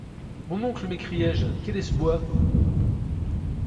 Mon oncle, m’écriai-je, quel est ce bois ?